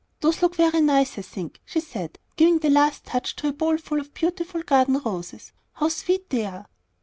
those look very nice, I think," she said, giving the last touch to a bowl full of beautiful garden roses. "How sweet they are!"